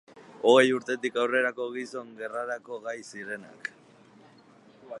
Hogei urtetik aurrerako gizon, gerrarako gai zirenak.